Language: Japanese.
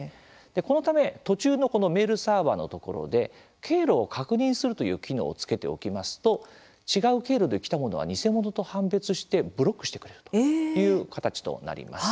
このため途中のメールサーバーのところで「経路を確認する」という機能をつけておきますと違う経路できたものは偽物と判別してブロックしてくれるという形となります。